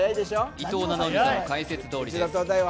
伊藤七海さんの解説どおりです。